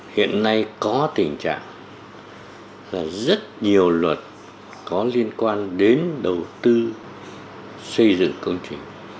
hiện nay có tình trạng là rất nhiều luật có liên quan đến đầu tư xây dựng công trình